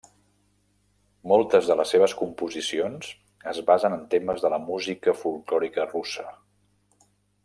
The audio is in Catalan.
Moltes de les seves composicions es basen en temes de la música folklòrica russa.